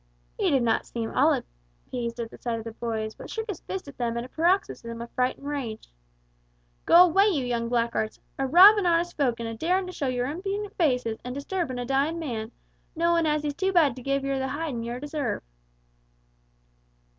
He did not seem at all appeased at the sight of the boys, but shook his fist at them in a paroxysm of fright and rage. "Go away, you young blackguards a robbin' honest folk, and a darin' to show yer impudent faces, and disturbin' a dyin' man, knowin' as he's too bad to give yer the hidin' ye desarve!"